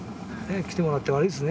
「来てもらって悪いですね